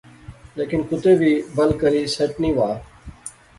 لیکن کوتے وی بل کری سیٹ نی وہا